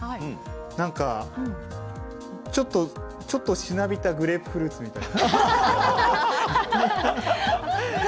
なんか、ちょっとしなびたグレープフルーツみたいな。